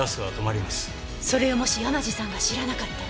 それをもし山路さんが知らなかったら？